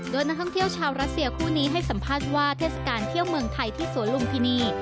โดยนักท่องเที่ยวชาวรัสเซียคู่นี้ให้สัมภาษณ์ว่าเทศกาลเที่ยวเมืองไทยที่สวนลุมพินี